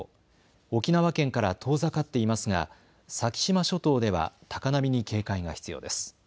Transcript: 沖縄県から遠ざかっていますが先島諸島では高波に警戒が必要です。